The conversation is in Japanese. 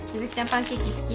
パンケーキ好き？